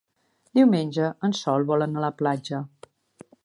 Diumenge en Sol vol anar a la platja.